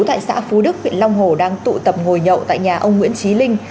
tại xã phú đức huyện long hồ đang tụ tập ngồi nhậu tại nhà ông nguyễn trí linh